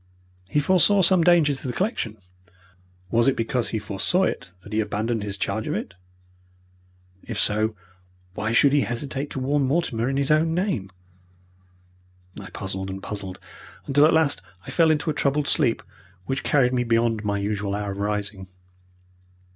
He foresaw some danger to the collection. Was it because he foresaw it that he abandoned his charge of it? But if so, why should he hesitate to warn Mortimer in his own name? I puzzled and puzzled until at last I fell into a troubled sleep, which carried me beyond my usual hour of rising.